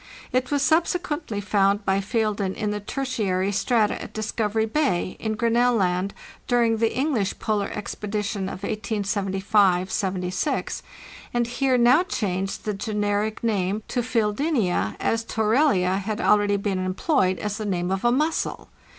It was subsequently found by Feilden in the Tertiary strata at Discovery Bay, in Grinnell Land, during the English Polar Expedition of 1875 76; and Heer now changed the generic name to Fezddenza, as Torellia had already been employed as the name of a mussel.